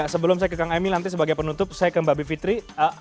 sebelum saya ke kang emil nanti sebagai penutup saya ke mbak bivitri